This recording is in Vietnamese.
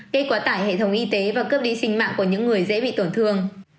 gây quá tải hệ thống y tế và cướp đi sinh mạng của những người dễ bị tổn thương